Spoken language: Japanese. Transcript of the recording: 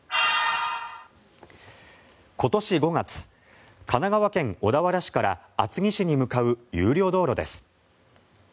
今年５月、神奈川県小田原市から厚木市に向かう有料道路です。